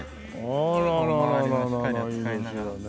あらあらあらいいですよね。